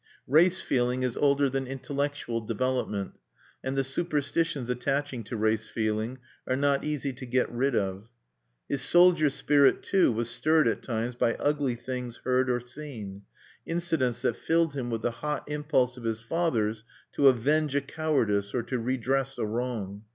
Race feeling is older than intellectual development; and the superstitions attaching to race feeling are not easy to get rid of. His soldier spirit, too, was stirred at times by ugly things heard or seen, incidents that filled him with the hot impulse of his fathers to avenge a cowardice or to redress a wrong.